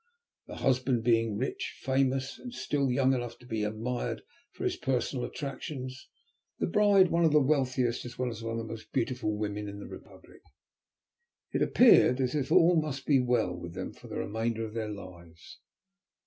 The husband being rich, famous, and still young enough to be admired for his personal attractions; the bride one of the wealthiest, as well as one of the most beautiful women in the Republic, it appeared as if all must be well with them for the remainder of their lives.